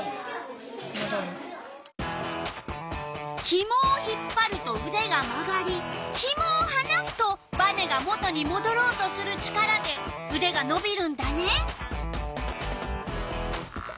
ひもを引っぱるとうでが曲がりひもをはなすとバネが元にもどろうとする力でうでがのびるんだね。